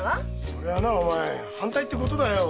それはなお前反対ってことだよ。